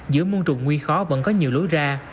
giữa muông trùng nguy khó vẫn có nhiều lối ra